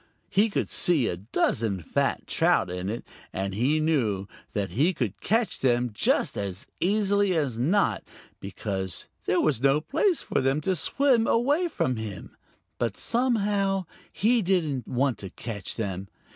He could see a dozen fat trout in it, and he knew that he could catch them just as easily as not, because there was no place for them to swim away from him. But somehow he didn't want to catch them.